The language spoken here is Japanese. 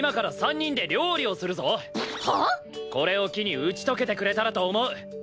これを機に打ち解けてくれたらと思う。